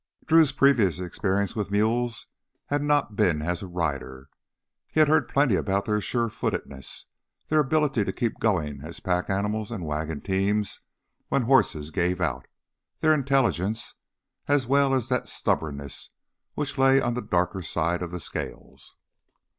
Drew's previous experience with mules had not been as a rider. He had heard plenty about their sure footedness, their ability to keep going as pack animals and wagon teams when horses gave out, their intelligence, as well as that stubbornness which lay on the darker side of the scales.